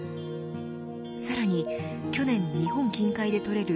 さらに去年日本近海で採れる